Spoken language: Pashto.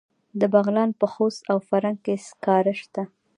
د بغلان په خوست او فرنګ کې سکاره شته.